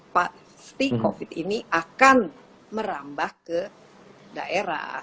pasti covid ini akan merambah ke daerah